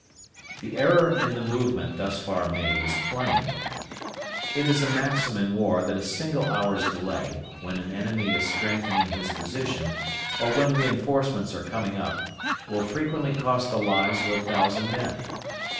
The error in the movement thus far made is plain. It is a maxim in war that a single hour's delay, when an enemy is strengthening his position or when reinforcements are coming up, will frequently cost the lives of a thousand men.